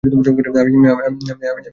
আমিই, ভুল ভাবছি তাইলে।